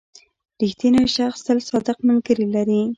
• رښتینی شخص تل صادق ملګري لري.